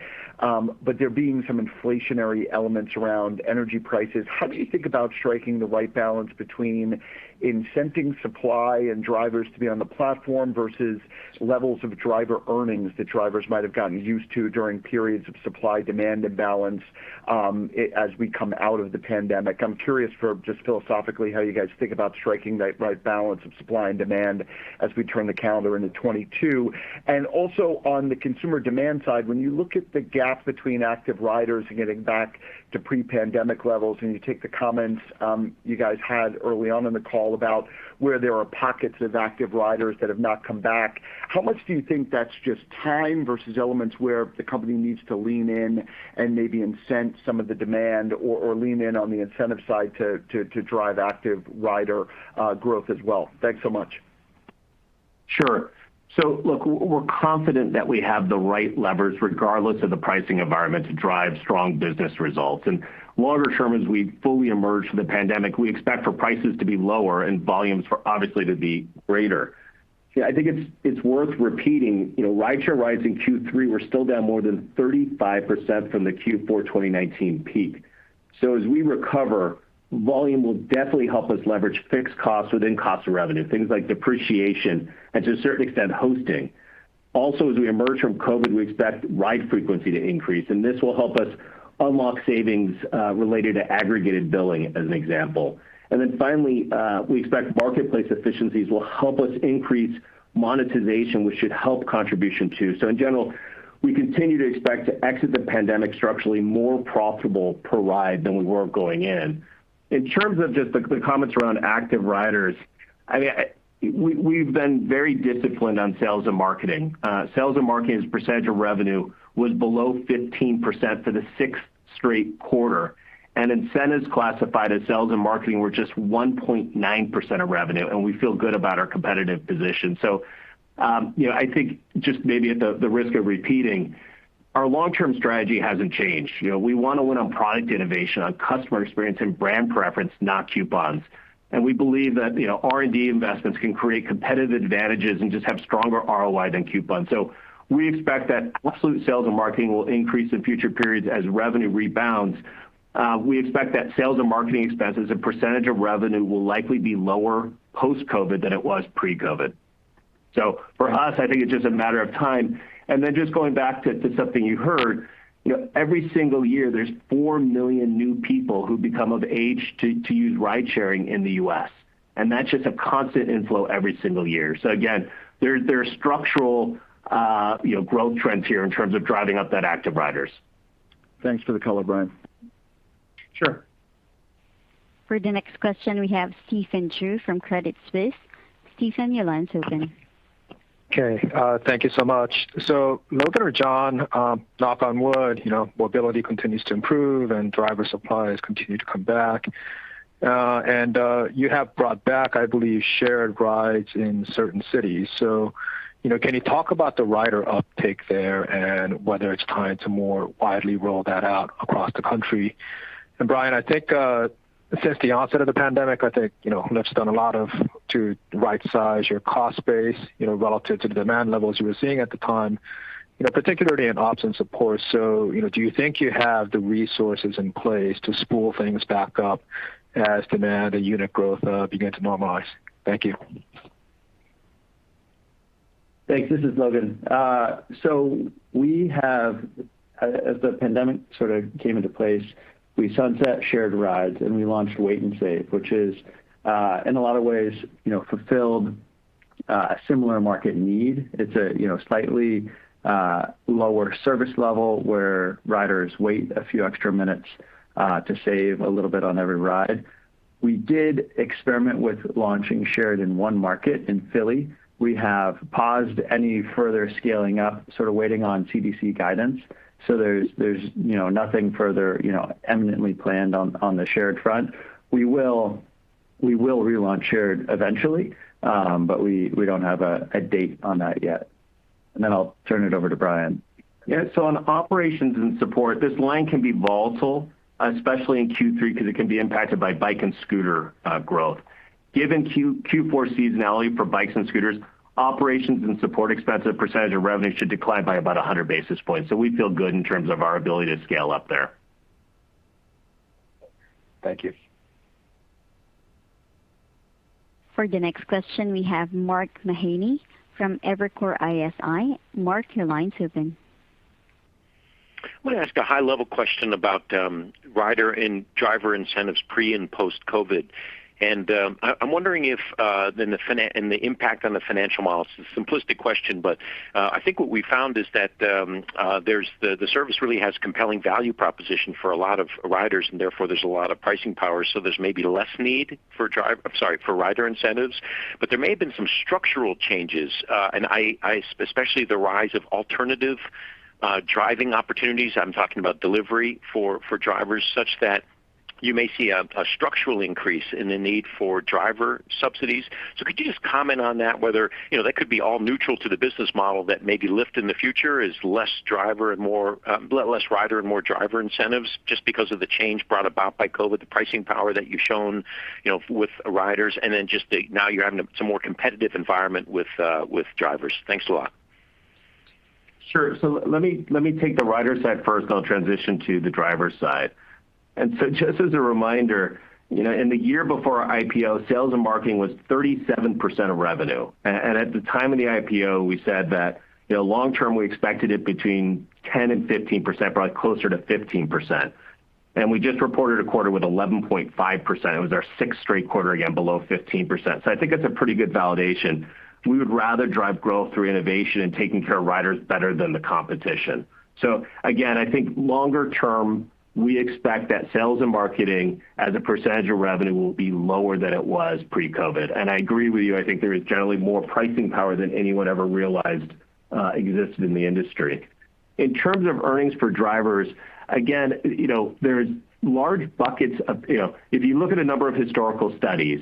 but there being some inflationary elements around energy prices, how do you think about striking the right balance between incenting supply and drivers to be on the platform versus levels of driver earnings that drivers might have gotten used to during periods of supply-demand imbalance, as we come out of the pandemic? I'm curious for just philosophically how you guys think about striking that right balance of supply and demand as we turn the calendar into 2022. Also on the consumer demand side, when you look at the gap between active riders getting back to pre-pandemic levels, and you take the comments, you guys had early on in the call about where there are pockets of active riders that have not come back, how much do you think that's just time versus elements where the company needs to lean in and maybe incent some of the demand or lean in on the incentive side to drive active rider growth as well? Thanks so much. Sure. Look, we're confident that we have the right levers regardless of the pricing environment to drive strong business results. Longer-term, as we fully emerge from the pandemic, we expect for prices to be lower and volumes for obviously to be greater. Yeah, I think it's worth repeating, you know, rideshare rides in Q3 were still down more than 35% from the Q4 2019 peak. As we recover, volume will definitely help us leverage fixed costs within cost of revenue, things like depreciation and to a certain extent, hosting. Also, as we emerge from COVID, we expect ride frequency to increase, and this will help us unlock savings related to aggregated billing, as an example. Then finally, we expect marketplace efficiencies will help us increase monetization, which should help contribution too. In general, we continue to expect to exit the pandemic structurally more profitable per ride than we were going in. In terms of just the comments around active riders, I mean, we've been very disciplined on sales and marketing. Sales and marketing as a percentage of revenue was below 15% for the sixth straight quarter, and incentives classified as sales and marketing were just 1.9% of revenue, and we feel good about our competitive position. You know, I think just maybe at the risk of repeating, our long-term strategy hasn't changed. You know, we want to win on product innovation, on customer experience and brand preference, not coupons. And we believe that, you know, R&D investments can create competitive advantages and just have stronger ROI than coupons. We expect that absolute sales and marketing will increase in future periods as revenue rebounds. We expect that sales and marketing expenses as a percentage of revenue will likely be lower post-COVID than it was pre-COVID. For us, I think it's just a matter of time. Then just going back to something you heard, you know, every single year there's 4 million new people who become of age to use ridesharing in the U.S., and that's just a constant inflow every single year. Again, there are structural, you know, growth trends here in terms of driving up that active riders. Thanks for the color, Brian. Sure. For the next question, we have Stephen Ju from Credit Suisse. Stephen, your line's open. Okay. Thank you so much. Logan or John, knock on wood, you know, mobility continues to improve and driver supply has continued to come back. You have brought back, I believe, Shared rides in certain cities. You know, can you talk about the rider uptake there and whether it's time to more widely roll that out across the country? Brian, I think, since the onset of the pandemic, I think, you know, Lyft's done a lot of to rightsize your cost base, you know, relative to the demand levels you were seeing at the time, you know, particularly in ops and support. You know, do you think you have the resources in place to spool things back up as demand and unit growth begin to normalize? Thank you. Thanks. This is Logan. We have, as the pandemic sort of came into place, we sunset shared rides, and we launched Wait & Save, which is, in a lot of ways, you know, fulfilled a similar market need. It's a, you know, slightly lower service level where riders wait a few extra minutes to save a little bit on every ride. We did experiment with launching shared in one market in Philly. We have paused any further scaling up, sort of waiting on CDC guidance. There's you know, nothing further you know, imminently planned on the shared front. We will relaunch Shared eventually, but we don't have a date on that yet. I'll turn it over to Brian. Yeah. On operations and support, this line can be volatile, especially in Q3, because it can be impacted by bike and scooter growth. Given Q4 seasonality for bikes and scooters, operations and support expense as a percentage of revenue should decline by about 100 basis points. We feel good in terms of our ability to scale up there. Thank you. For the next question, we have Mark Mahaney from Evercore ISI. Mark, your line's open. I want to ask a high-level question about rider and driver incentives pre- and post-COVID. I'm wondering if the impact on the financial model. It's a simplistic question, but I think what we found is that the service really has compelling value proposition for a lot of riders, and therefore there's a lot of pricing power. There's maybe less need for driver—I'm sorry, for rider incentives. There may have been some structural changes, and especially the rise of alternative driving opportunities. I'm talking about delivery for drivers such that you may see a structural increase in the need for driver subsidies. Could you just comment on that, whether, you know, that could be all neutral to the business model that maybe Lyft in the future is less driver and more, less rider and more driver incentives just because of the change brought about by COVID, the pricing power that you've shown, you know, with riders, and then just the, now you're having a, some more competitive environment with drivers. Thanks a lot. Sure. Let me take the rider side first, then I'll transition to the driver side. Just as a reminder, you know, in the year before our IPO, sales and marketing was 37% of revenue. At the time of the IPO, we said that, you know, long-term, we expected it between 10% and 15%, probably closer to 15%. We just reported a quarter with 11.5%. It was our sixth straight quarter again below 15%. I think that's a pretty good validation. We would rather drive growth through innovation and taking care of riders better than the competition. Again, I think longer term, we expect that sales and marketing as a percentage of revenue will be lower than it was pre-COVID. I agree with you, I think there is generally more pricing power than anyone ever realized, existed in the industry. In terms of earnings per drivers, again, you know, there's large buckets of. You know, if you look at a number of historical studies,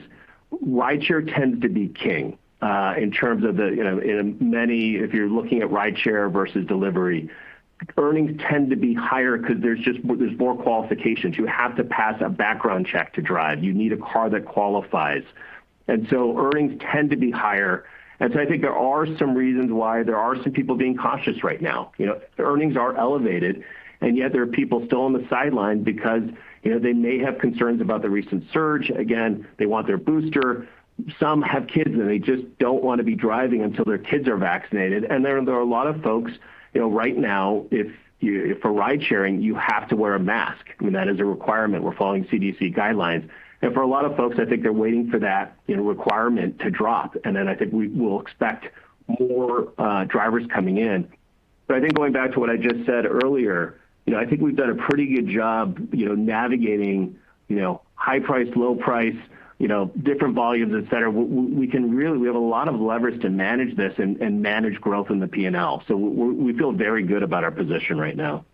rideshare tends to be king in terms of the, you know, in many. If you're looking at rideshare versus delivery, earnings tend to be higher because there's just more qualifications. You have to pass a background check to drive. You need a car that qualifies. Earnings tend to be higher. I think there are some reasons why there are some people being cautious right now. You know, the earnings are elevated, and yet there are people still on the sidelines because, you know, they may have concerns about the recent surge. They want their booster. Some have kids, and they just don't want to be driving until their kids are vaccinated. There are a lot of folks, you know, right now, if for ridesharing, you have to wear a mask. I mean, that is a requirement. We're following CDC guidelines. For a lot of folks, I think they're waiting for that, you know, requirement to drop. I think we will expect more drivers coming in. I think going back to what I just said earlier, you know, I think we've done a pretty good job, you know, navigating, you know, high price, low price, you know, different volumes, et cetera. We have a lot of leverage to manage this and manage growth in the P&L. We feel very good about our position right now.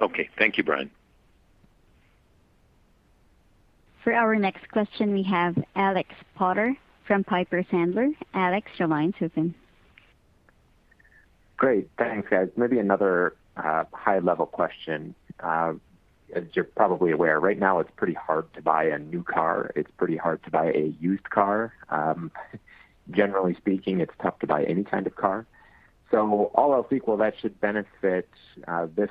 Okay. Thank you, Brian. For our next question, we have Alex Potter from Piper Sandler. Alex, your line's open. Great. Thanks, guys. Maybe another high-level question. As you're probably aware, right now it's pretty hard to buy a new car. It's pretty hard to buy a used car. Generally speaking, it's tough to buy any kind of car. All else equal, that should benefit this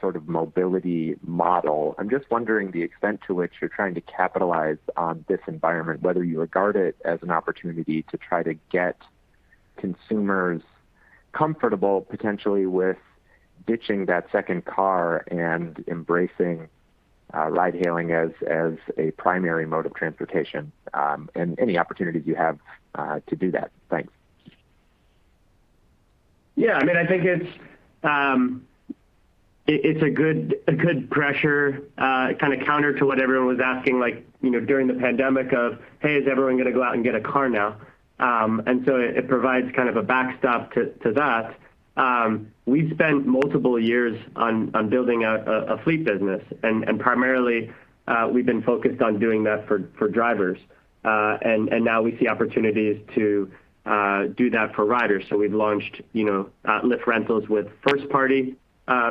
sort of mobility model. I'm just wondering the extent to which you're trying to capitalize on this environment, whether you regard it as an opportunity to try to get consumers comfortable potentially with ditching that second car and embracing ride-hailing as a primary mode of transportation, and any opportunities you have to do that. Thanks. Yeah. I mean, I think it's a good pressure kind of counter to what everyone was asking like, you know, during the pandemic of, "Hey, is everyone going to go out and get a car now?" It provides kind of a backstop to that. We've spent multiple years on building out a fleet business. Primarily, we've been focused on doing that for drivers. Now we see opportunities to do that for riders. We've launched, you know, Lyft Rentals with first-party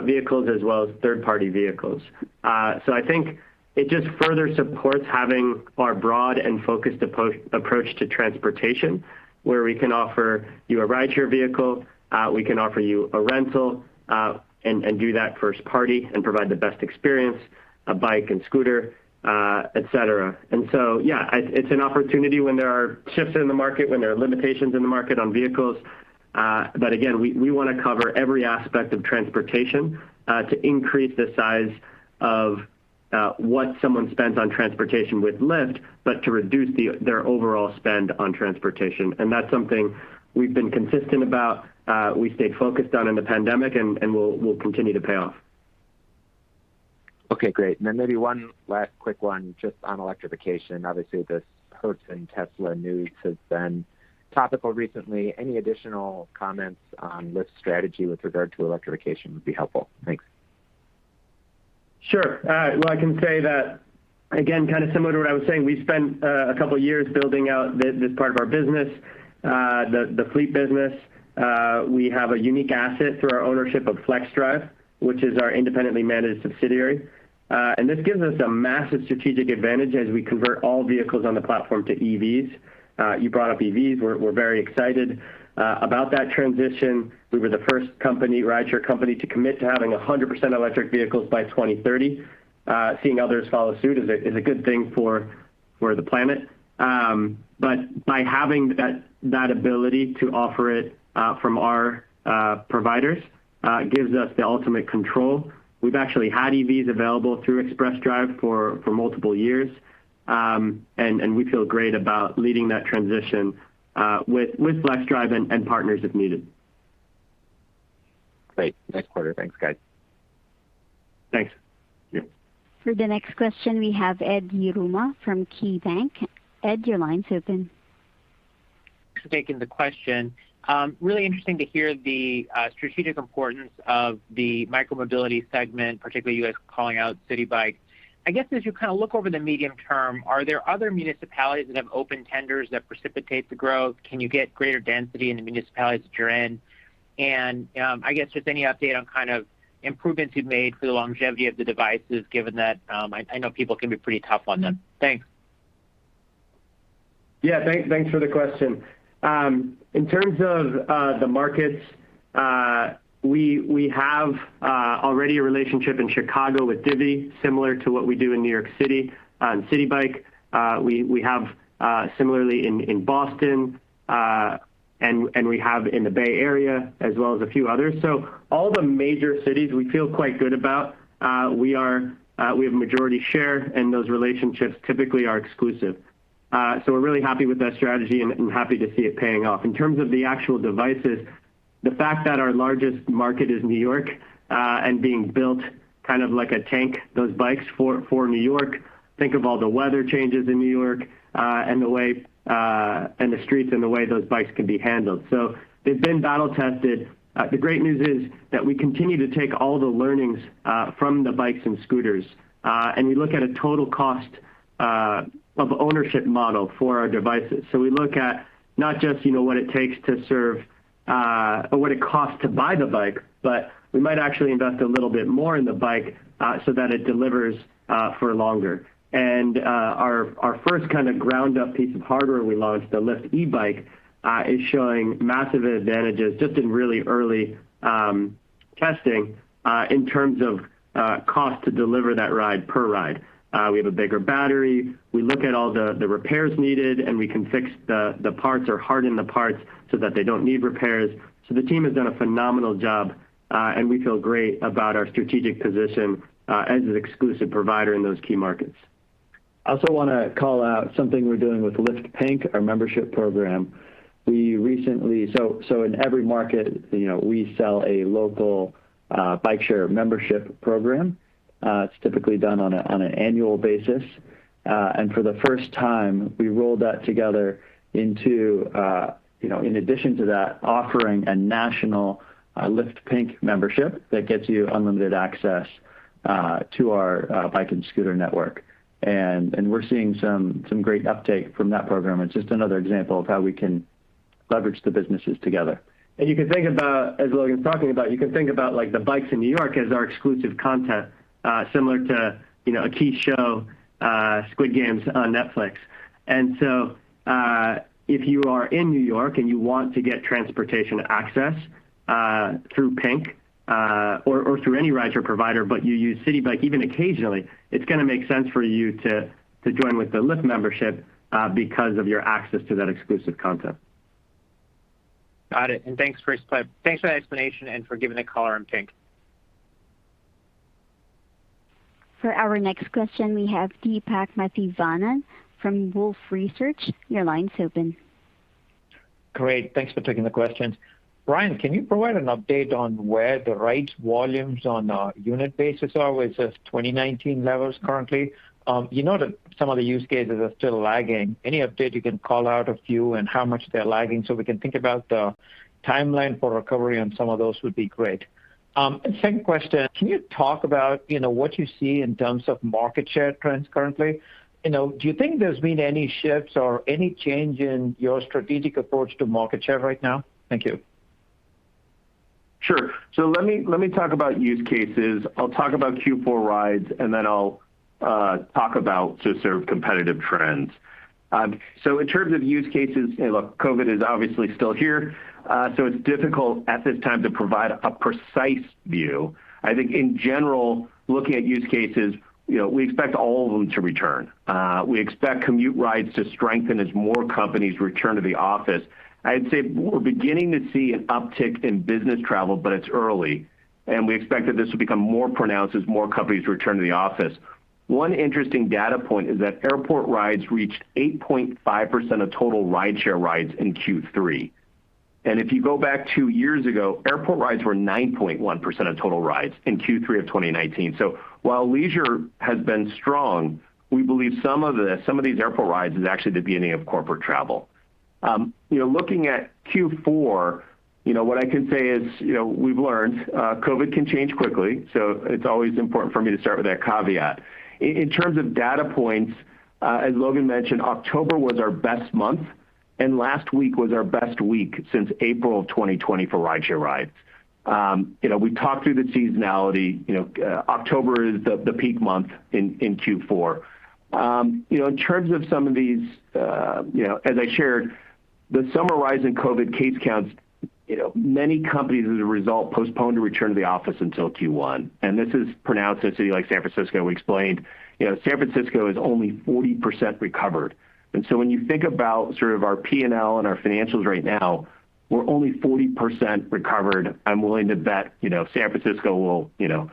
vehicles as well as third-party vehicles. I think it just further supports having our broad and focused approach to transportation, where we can offer you a rideshare vehicle, we can offer you a rental, and do that first party and provide the best experience, a bike and scooter, et cetera. Yeah, it's an opportunity when there are shifts in the market, when there are limitations in the market on vehicles. Again, we wanna cover every aspect of transportation, to increase the size of what someone spends on transportation with Lyft, but to reduce their overall spend on transportation. That's something we've been consistent about, we stayed focused on in the pandemic and will continue to pay off. Okay, great. Maybe one last quick one just on electrification. Obviously, this Hertz and Tesla news has been topical recently. Any additional comments on Lyft's strategy with regard to electrification would be helpful. Thanks. Sure. Well, I can say that, again, kind of similar to what I was saying, we spent a couple of years building out this part of our business, the fleet business. We have a unique asset through our ownership of Flexdrive, which is our independently managed subsidiary. This gives us a massive strategic advantage as we convert all vehicles on the platform to EVs. You brought up EVs. We're very excited about that transition. We were the first rideshare company to commit to having 100% electric vehicles by 2030. Seeing others follow suit is a good thing for the planet. By having that ability to offer it from our providers gives us the ultimate control. We've actually had EVs available through Express Drive for multiple years. We feel great about leading that transition with Flexdrive and partners if needed. Great. Nice quarter. Thanks, guys. Thanks. For the next question, we have Ed Yruma from KeyBanc. Ed, your line's open. Thanks for taking the question. Really interesting to hear the strategic importance of the micro mobility segment, particularly you guys calling out Citi Bike. I guess as you kind of look over the medium term, are there other municipalities that have open tenders that precipitate the growth? Can you get greater density in the municipalities that you're in? I guess just any update on kind of improvements you've made for the longevity of the devices, given that I know people can be pretty tough on them. Thanks. Yeah. Thanks for the question. In terms of the markets, we have already a relationship in Chicago with Divvy, similar to what we do in New York City on Citi Bike. We have similarly in Boston, and we have in the Bay Area as well as a few others. All the major cities we feel quite good about, we have majority share, and those relationships typically are exclusive. We're really happy with that strategy and happy to see it paying off. In terms of the actual devices, the fact that our largest market is New York, and being built kind of like a tank, those bikes for New York, think of all the weather changes in New York, and the way and the streets and the way those bikes can be handled. So they've been battle-tested. The great news is that we continue to take all the learnings from the bikes and scooters, and we look at a total cost of ownership model for our devices. So we look at not just, you know, what it takes to serve, or what it costs to buy the bike, but we might actually invest a little bit more in the bike so that it delivers for longer. Our first kind of ground-up piece of hardware we launched, the Lyft Ebike, is showing massive advantages just in really early testing, in terms of cost to deliver that ride per ride. We have a bigger battery. We look at all the repairs needed, and we can fix the parts or harden the parts so that they don't need repairs. The team has done a phenomenal job, and we feel great about our strategic position as an exclusive provider in those key markets. I also want to call out something we're doing with Lyft Pink, our membership program. In every market, you know, we sell a local bike-share membership program. It's typically done on an annual basis. For the first time, we rolled that together into, you know, in addition to that, offering a national Lyft Pink membership that gets you unlimited access to our bike and scooter network. We're seeing some great uptake from that program. It's just another example of how we can leverage the businesses together. You can think about, as Logan's talking about, like, the bikes in New York as our exclusive content, similar to, you know, a key show, Squid Game on Netflix. If you are in New York and you want to get transportation access through Pink or through any rideshare provider, but you use Citi Bike even occasionally, it's gonna make sense for you to join with the Lyft membership because of your access to that exclusive content. Got it. Thanks for that explanation and for giving the color on Pink. For our next question, we have Deepak Mathivanan from Wolfe Research. Your line is open. Great. Thanks for taking the questions. Brian, can you provide an update on where the rides volumes on a unit basis are with the 2019 levels currently? You know that some of the use cases are still lagging. Any update you can call out a few and how much they're lagging so we can think about the timeline for recovery on some of those would be great. And second question, can you talk about, you know, what you see in terms of market share trends currently? You know, do you think there's been any shifts or any change in your strategic approach to market share right now? Thank you. Sure. Let me talk about use cases. I'll talk about Q4 rides, and then I'll talk about just sort of competitive trends. In terms of use cases, look, COVID is obviously still here, so it's difficult at this time to provide a precise view. I think in general, looking at use cases, you know, we expect all of them to return. We expect commute rides to strengthen as more companies return to the office. I'd say we're beginning to see an uptick in business travel, but it's early, and we expect that this will become more pronounced as more companies return to the office. One interesting data point is that airport rides reached 8.5% of total rideshare rides in Q3. If you go back two years ago, airport rides were 9.1% of total rides in Q3 of 2019. While leisure has been strong, we believe some of these airport rides is actually the beginning of corporate travel. You know, looking at Q4, you know what I can say is, you know, we've learned, COVID can change quickly, so it's always important for me to start with that caveat. In terms of data points, as Logan mentioned, October was our best month, and last week was our best week since April of 2020 for rideshare rides. You know, we talked through the seasonality. You know, October is the peak month in Q4. You know, in terms of some of these, you know, as I shared the summer rise in COVID case counts, you know, many companies as a result postponed their return to the office until Q1. This is prominent in a city like San Francisco. We experienced, you know, San Francisco is only 40% recovered. When you think about sort of our P&L and our financials right now, we're only 40% recovered. I'm willing to bet, you know, San Francisco will, you know,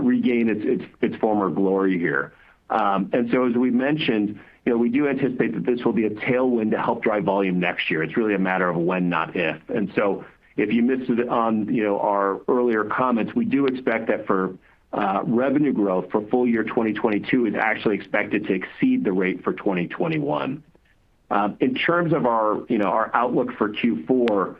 regain its former glory here. As we mentioned, you know, we do anticipate that this will be a tailwind to help drive volume next year. It's really a matter of when, not if. If you missed it on, you know, our earlier comments, we do expect that for revenue growth for full year 2022 is actually expected to exceed the rate for 2021. In terms of our, you know, our outlook for Q4,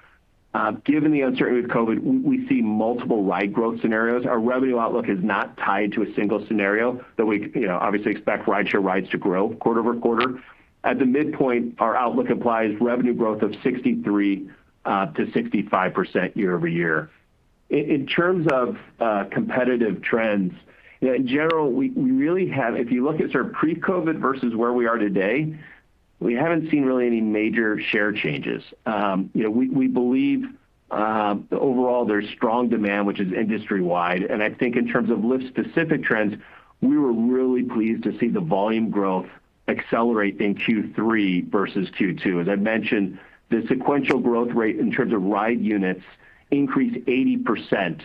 given the uncertainty with COVID, we see multiple ride growth scenarios. Our revenue outlook is not tied to a single scenario that we, you know, obviously expect rideshare rides to grow quarter-over-quarter. At the midpoint, our outlook implies revenue growth of 63%-65% year-over-year. In terms of competitive trends, you know, in general, if you look at sort of pre-COVID versus where we are today, we haven't seen really any major share changes. You know, we believe overall there's strong demand, which is industry-wide, and I think in terms of Lyft-specific trends, we were really pleased to see the volume growth accelerate in Q3 versus Q2. As I mentioned, the sequential growth rate in terms of ride units increased 80%.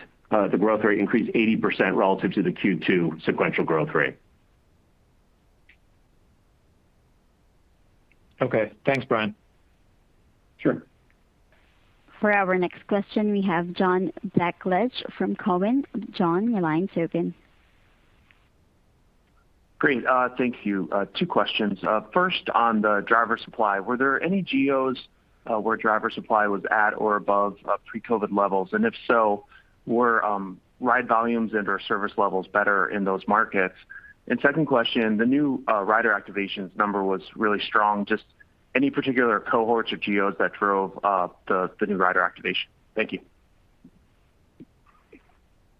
The growth rate increased 80% relative to the Q2 sequential growth rate. Okay. Thanks, Brian. Sure. For our next question, we have John Blackledge from Cowen. John, your line's open. Great. Thank you. Two questions. First on the driver supply, were there any geos where driver supply was at or above pre-COVID levels? If so, were ride volumes and/or service levels better in those markets? Second question, the new rider activations number was really strong. Just any particular cohorts or geos that drove the new rider activation? Thank you.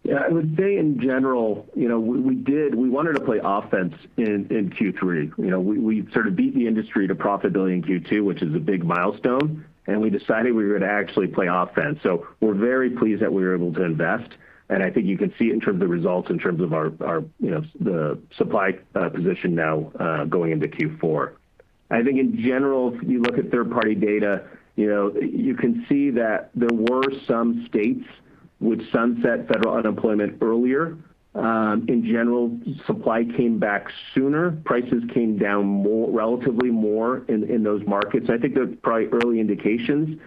Yeah. I would say in general, you know, we wanted to play offense in Q3. You know, we sort of beat the industry to profitability in Q2, which is a big milestone, and we decided we were going to actually play offense. We're very pleased that we were able to invest, and I think you can see it in terms of results, in terms of our, you know, the supply position now, going into Q4. I think in general, if you look at third-party data, you know, you can see that there were some states which sunset federal unemployment earlier. In general, supply came back sooner. Prices came down more relatively more in those markets. I think those are probably early indications.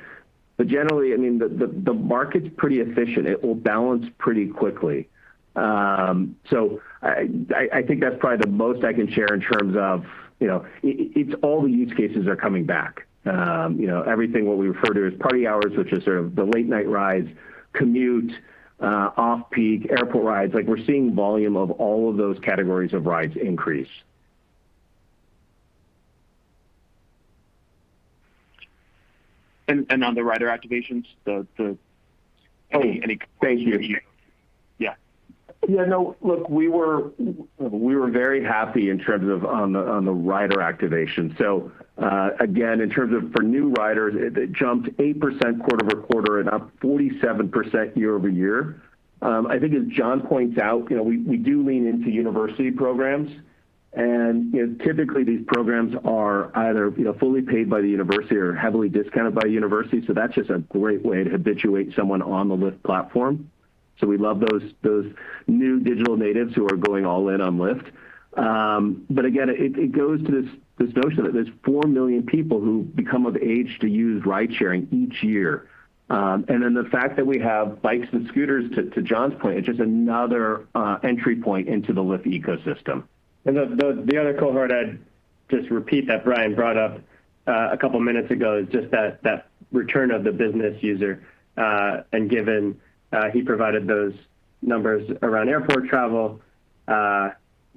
Generally, I mean, the market's pretty efficient. It will balance pretty quickly. I think that's probably the most I can share in terms of, you know, it's all the use cases are coming back. You know, everything, what we refer to as party hours, which is sort of the late night rides, commute, off-peak, airport rides. Like, we're seeing volume of all of those categories of rides increase. On the rider activations? Oh. Any, any- Thank you. Yeah. Yeah, no. Look, we were very happy in terms of on the rider activation. Again, in terms of for new riders, it jumped 8% quarter-over-quarter and up 47% year-over-year. I think as John points out, you know, we do lean into university programs. You know, typically these programs are either, you know, fully paid by the university or heavily discounted by university, so that's just a great way to habituate someone on the Lyft platform. We love those new digital natives who are going all in on Lyft. Again, it goes to this notion that there's 4 million people who become of age to use ridesharing each year. The fact that we have bikes and scooters, to John's point, it's just another entry point into the Lyft ecosystem. The other cohort I'd just repeat that Brian brought up a couple minutes ago is just that return of the business user. Given he provided those numbers around airport travel,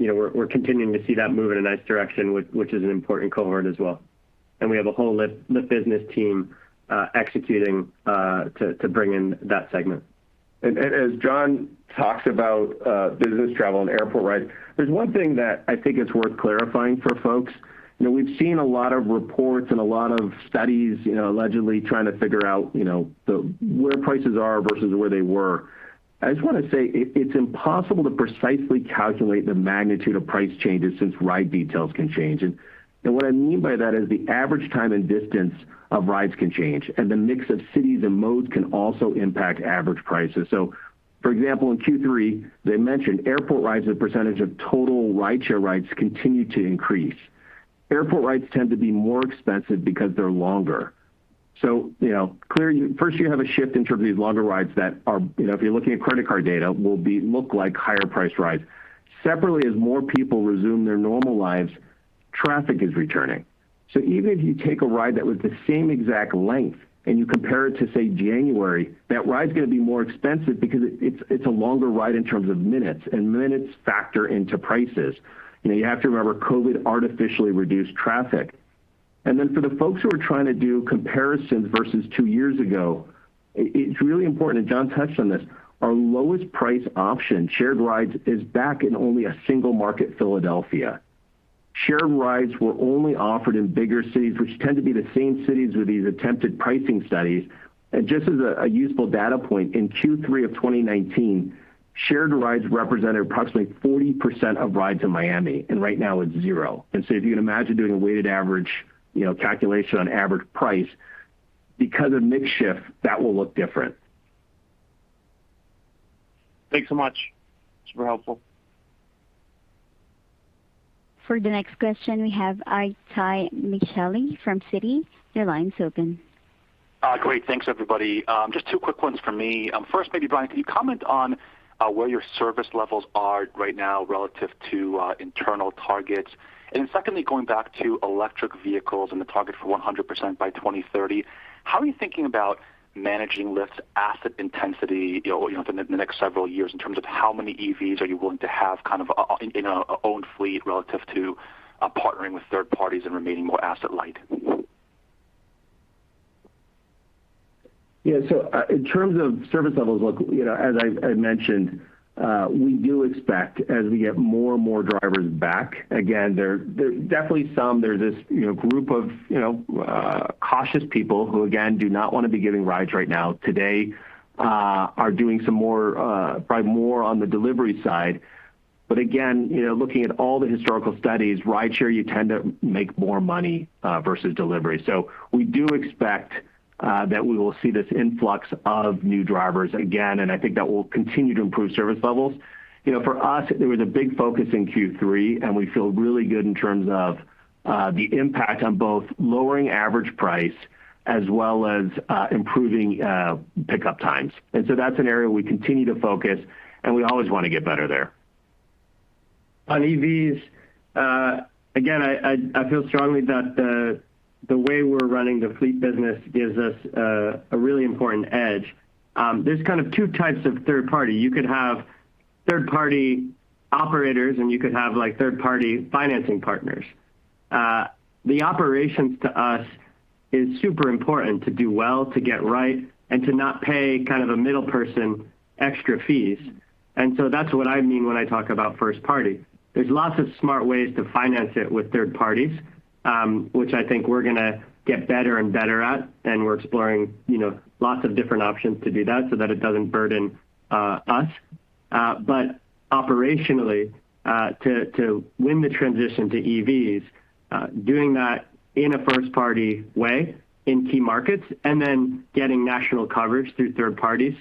you know, we're continuing to see that move in a nice direction, which is an important cohort as well. We have a whole Lyft business team executing to bring in that segment. As John talks about business travel and airport rides, there's one thing that I think is worth clarifying for folks. You know, we've seen a lot of reports and a lot of studies, you know, allegedly trying to figure out, you know, where prices are versus where they were. I just want to say it's impossible to precisely calculate the magnitude of price changes since ride details can change. What I mean by that is the average time and distance of rides can change, and the mix of cities and modes can also impact average prices. For example, in Q3, they mentioned airport rides as a percentage of total rideshare rides continue to increase. Airport rides tend to be more expensive because they're longer. First you have a shift in terms of these longer rides that are, you know, if you're looking at credit card data, look like higher-priced rides. Separately, as more people resume their normal lives, traffic is returning. Even if you take a ride that was the same exact length and you compare it to, say, January, that ride's going to be more expensive because it's a longer ride in terms of minutes, and minutes factor into prices. You know, you have to remember COVID artificially reduced traffic. Then for the folks who are trying to do comparisons versus two years ago, it's really important, and John touched on this, our lowest price option, Shared Rides, is back in only a single market, Philadelphia. Shared Rides were only offered in bigger cities, which tend to be the same cities with these attempted pricing studies. Just as a useful data point, in Q3 of 2019, Shared Rides represented approximately 40% of rides in Miami, and right now it's zero. If you can imagine doing a weighted average, you know, calculation on average price, because of mix shift, that will look different. Thanks so much. Super helpful. For the next question, we have Itay Michaeli from Citi. Your line's open. Great. Thanks, everybody. Just two quick ones from me. First, maybe Brian, can you comment on where your service levels are right now relative to internal targets? Secondly, going back to electric vehicles and the target for 100% by 2030, how are you thinking about managing Lyft's asset intensity, you know, in the next several years in terms of how many EVs are you willing to have kind of in a owned fleet relative to partnering with third parties and remaining more asset light? In terms of service levels, look, you know, as I've mentioned, we do expect as we get more and more drivers back, again, there's definitely some cautious people who again do not want to be giving rides right now. Today, they are doing some more, probably more on the delivery side. Again, you know, looking at all the historical studies, rideshare, you tend to make more money versus delivery. We do expect that we will see this influx of new drivers again, and I think that will continue to improve service levels. You know, for us, there was a big focus in Q3, and we feel really good in terms of the impact on both lowering average price as well as improving pickup times. That's an area we continue to focus, and we always want to get better there. On EVs, again, I feel strongly that the way we're running the fleet business gives us a really important edge. There's kind of two types of third-party. You could have third-party operators, and you could have, like, third-party financing partners. The operations to us is super important to do well, to get right, and to not pay kind of a middle person extra fees. That's what I mean when I talk about first-party. There's lots of smart ways to finance it with third parties, which I think we're gonna get better and better at, and we're exploring, you know, lots of different options to do that so that it doesn't burden us. Operationally, to win the transition to EVs, doing that in a first-party way in key markets and then getting national coverage through third parties,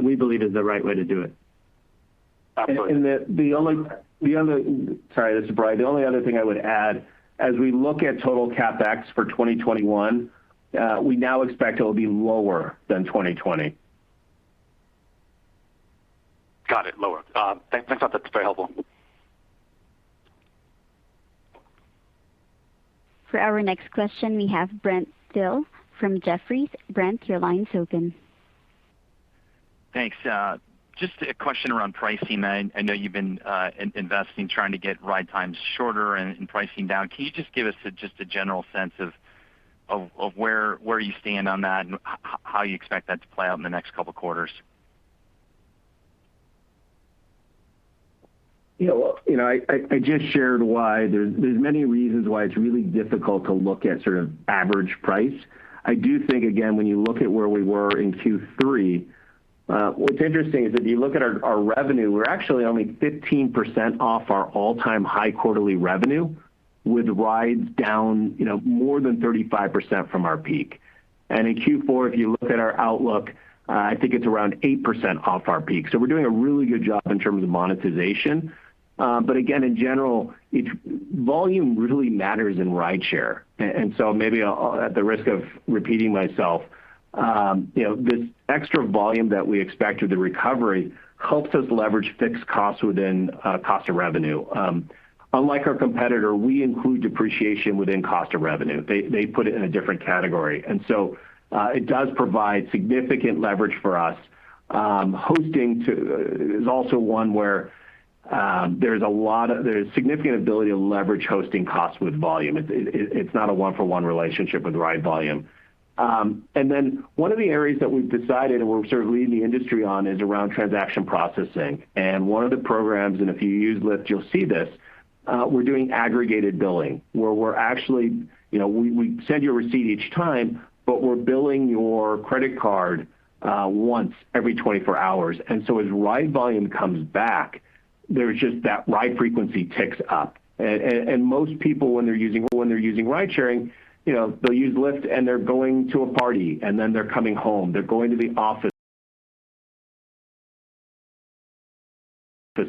we believe is the right way to do it. Sorry, this is Brian. The only other thing I would add, as we look at total CapEx for 2021, we now expect it will be lower than 2020. Got it. Lower. Thanks. That's very helpful. For our next question, we have Brent Thill from Jefferies. Brent, your line's open. Thanks. Just a question around pricing. I know you've been investing, trying to get ride times shorter and pricing down. Can you just give us just a general sense of where you stand on that and how you expect that to play out in the next couple quarters? You know, I just shared why. There's many reasons why it's really difficult to look at sort of average price. I do think, again, when you look at where we were in Q3, what's interesting is if you look at our revenue, we're actually only 15% off our all-time high quarterly revenue with rides down, you know, more than 35% from our peak. In Q4, if you look at our outlook, I think it's around 8% off our peak. We're doing a really good job in terms of monetization. But again, in general, volume really matters in rideshare. Maybe at the risk of repeating myself, you know, this extra volume that we expect with the recovery helps us leverage fixed costs within cost of revenue. Unlike our competitor, we include depreciation within cost of revenue. They put it in a different category. It does provide significant leverage for us. Hosting is also one where there's significant ability to leverage hosting costs with volume. It's not a one-for-one relationship with ride volume. One of the areas that we've decided and we're sort of leading the industry on is around transaction processing. One of the programs, if you use Lyft, you'll see this, we're doing aggregated billing, where we're actually, you know, we send you a receipt each time, but we're billing your credit card once every 24 hours. As ride volume comes back, there's just that ride frequency ticks up. Most people when they're using ridesharing, you know, they'll use Lyft, and they're going to a party, and then they're coming home. They're going to the office,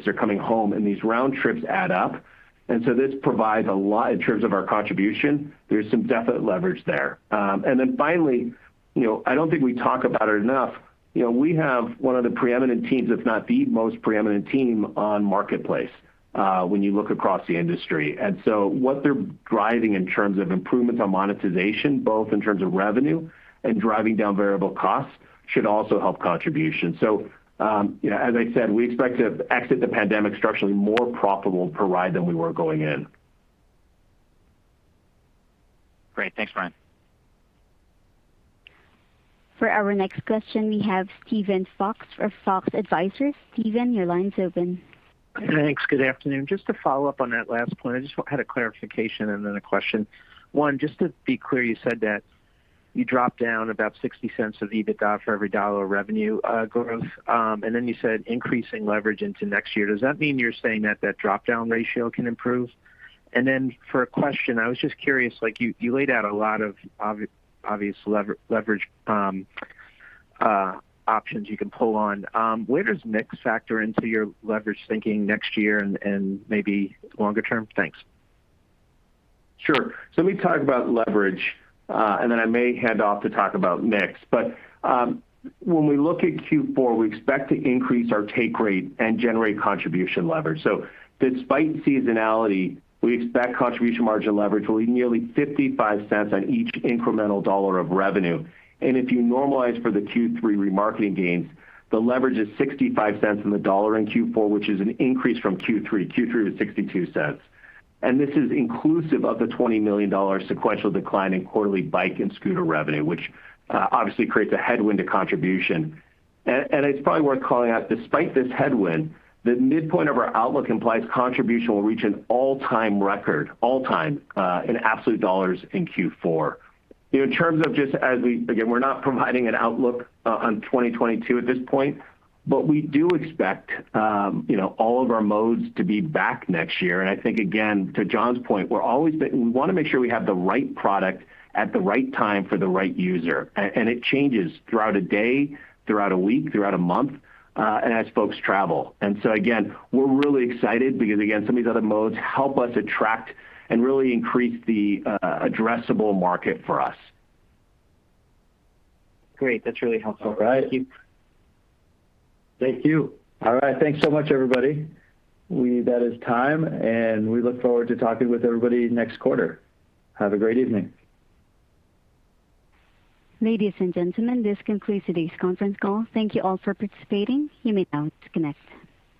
they're coming home, and these round trips add up. This provides a lot in terms of our contribution. There's some definite leverage there. Then finally, you know, I don't think we talk about it enough. You know, we have one of the preeminent teams, if not the most preeminent team on marketplace, when you look across the industry. What they're driving in terms of improvements on monetization, both in terms of revenue and driving down variable costs, should also help contribution. You know, as I said, we expect to exit the pandemic structurally more profitable per ride than we were going in. Great. Thanks, Brian. For our next question, we have Steven Fox for Fox Advisors. Steven, your line's open. Thanks. Good afternoon. Just to follow up on that last point, I just had a clarification and then a question. One, just to be clear, you said that you dropped down about $0.60 of EBITDA for every dollar of revenue growth, and then you said increasing leverage into next year. Does that mean you're saying that drop-down ratio can improve? And then for a question, I was just curious, like, you laid out a lot of obvious leverage options you can pull on. Where does mix factor into your leverage thinking next year and maybe longer term? Thanks. Let me talk about leverage, and then I may hand off to talk about mix. When we look at Q4, we expect to increase our take rate and generate contribution leverage. Despite seasonality, we expect contribution margin leverage will be nearly $0.55 on each incremental dollar of revenue. If you normalize for the Q3 remarketing gains, the leverage is $0.65 on the dollar in Q4, which is an increase from Q3. Q3 was $0.62. This is inclusive of the $20 million sequential decline in quarterly bike and scooter revenue, which obviously creates a headwind to contribution. It's probably worth calling out, despite this headwind, the midpoint of our outlook implies contribution will reach an all-time record in absolute dollars in Q4. You know, in terms of, again, we're not providing an outlook on 2022 at this point, but we do expect, you know, all of our modes to be back next year. I think, again, to John's point, we wanna make sure we have the right product at the right time for the right user. And it changes throughout a day, throughout a week, throughout a month, and as folks travel. We're really excited because again, some of these other modes help us attract and really increase the addressable market for us. Great. That's really helpful. All right. Thank you. All right. Thanks so much, everybody. That is time, and we look forward to talking with everybody next quarter. Have a great evening. Ladies and gentlemen, this concludes today's conference call. Thank you all for participating. You may now disconnect.